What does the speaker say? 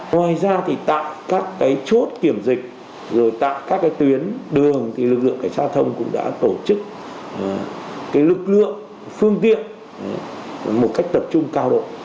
ngoài ra thì tại các chốt kiểm dịch rồi tại các tuyến đường thì lực lượng cảnh sát giao thông cũng đã tổ chức lực lượng phương tiện một cách tập trung cao độ